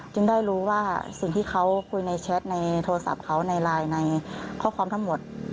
ได้รู้ว่าสิ่งที่เขาคุยในแชทในโทรศัพท์เขาในไลน์ในข้อความทั้งหมด